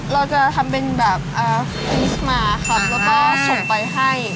เราจะทำเป็นแบบคริสมาครับแล้วก็ส่งไปให้